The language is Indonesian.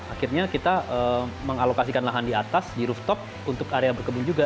akhirnya kita mengalokasikan lahan di atas di rooftop untuk area berkebun juga